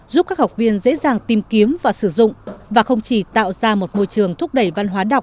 giúp các học viên dễ dàng tìm kiếm và sử dụng và không chỉ tạo ra một môi trường thúc đẩy văn hóa đọc